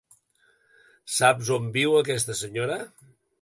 Saps on viu aquesta senyora?